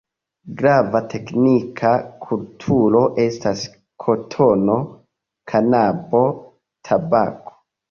Grava teknika kulturo estas kotono, kanabo, tabako.